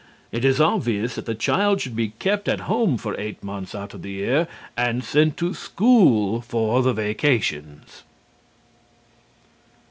It is obvious that the child should be kept at home for eight months out of the year and sent to school for the vacations.